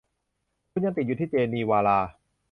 คุณยังติดอยู่ที่เจนีวาหรา